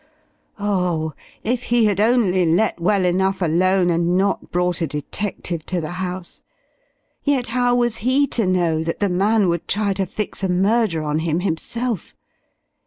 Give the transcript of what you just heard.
Oh, if he had only let well enough alone and not brought a detective to the house. Yet how was he to know that the man would try to fix a murder on him, himself?